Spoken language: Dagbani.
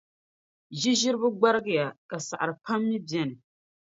Ʒiʒiriba gbarigiya; ka saɣiri pam mi beni.